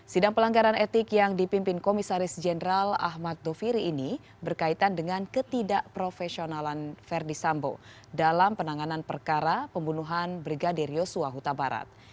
sidang pelanggaran etik yang dipimpin komisaris jenderal ahmad doviri ini berkaitan dengan ketidakprofesionalan verdi sambo dalam penanganan perkara pembunuhan brigadir yosua huta barat